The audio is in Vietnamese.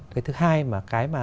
cái thứ hai mà